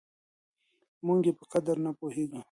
موږ يې په قدر نه پوهېږو.